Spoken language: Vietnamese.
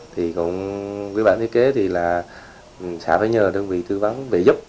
thì cũng với bản thiết kế thì là xã phải nhờ đơn vị thư vấn vẽ giúp